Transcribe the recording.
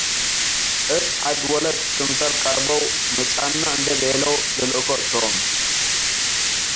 እት ዐድ ወለት ክምሰል ቀርበው፡ “መጽአነ” እንዴ ቤለው ልልእኮ እቶም ።